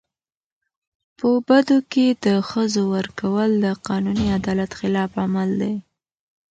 په بدو کي د ښځو ورکول د قانوني عدالت خلاف عمل دی.